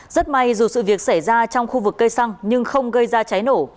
rất may dù sự việc xảy ra trong khu vực cây xăng nhưng không gây ra cháy nổ